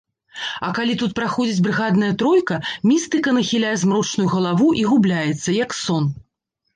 А калі тут праходзіць брыгадная тройка, містыка нахіляе змрочную галаву і губляецца, як сон.